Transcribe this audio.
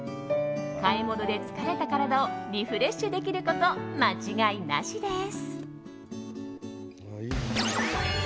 買い物で疲れた体をリフレッシュできること間違いなしです。